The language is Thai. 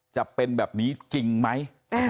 จะเป็นแบบนี้จริงไหม